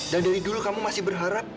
dan dari dulu kamu masih berharap